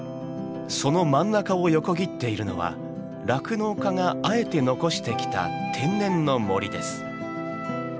その真ん中を横切っているのは酪農家があえて残してきた天然の森です。